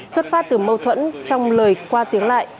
xuất phát từ mâu thuẫn trong lời qua tiếng lại